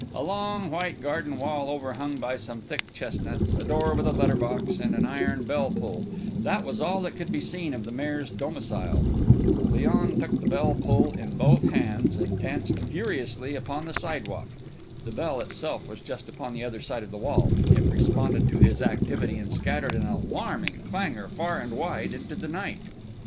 A long white garden wall overhung by some thick chestnuts, a door with a letter box, and an iron bell pull, that was all that could be seen of the Maire's domicile. Léon took the bell pull in both hands, and danced furiously upon the side walk. The bell itself was just upon the other side of the wall, it responded to his activity, and scattered an alarming clangour far and wide into the night.